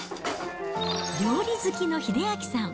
料理好きの英明さん。